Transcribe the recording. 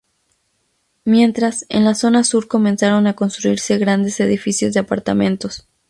Mientras, en la zona sur comenzaron a construirse grandes edificios de apartamentos.